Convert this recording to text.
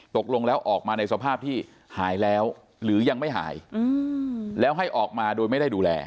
ตกลงแล้วออกมาในสภาพที่หายแล้วหรือยังไม่หายแล้วให้ออกมาโดยไม่ได้ดูแล